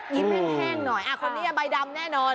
แห้งหน่อยคนนี้ใบดำแน่นอน